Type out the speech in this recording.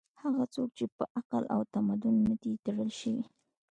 هغه څوک چې په عقل او تمدن نه دي تړل شوي